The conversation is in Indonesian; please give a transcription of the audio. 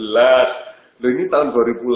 lalu ini tahun dua ribu delapan belas